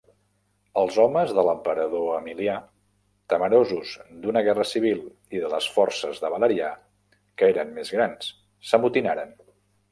Els homes de l'emperador Emilià, temerosos d'una guerra civil i de les forces de Valerià, que eren més grans, s'amotinaren.